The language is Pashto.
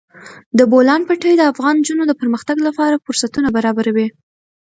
د بولان پټي د افغان نجونو د پرمختګ لپاره فرصتونه برابروي.